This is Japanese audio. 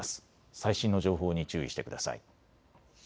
最新の情報に注意してください。